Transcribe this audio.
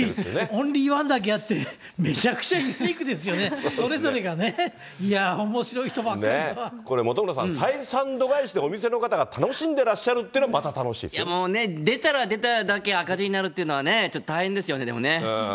オンリー１だけあって、めちゃくちゃユニークですよね、いや、これ本村さん、採算度外視でお店の方が楽しんでらっしゃるってのがまた楽しいでもうね、出たら出ただけ赤字になるというのはね、ちょっと大変ですよね、でもね。